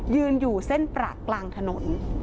ยืนอยู่เส้นประกลางถนน